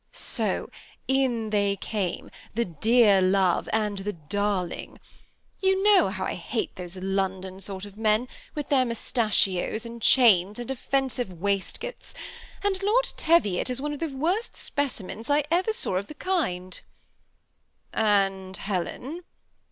So in they came, the dear love and the darling. You know how I hate those London sort of men, with their mus tachios and chains and offensive waistcoats ; and Lord Teviot is one of the worst specimens I ever saw of the kind" " And Helen